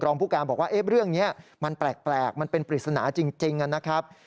ผู้การบอกว่าเรื่องนี้มันแปลกมันเป็นปริศนาจริงนะครับ